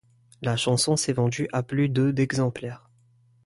La chanson s'est vendue à plus de d'exemplaires.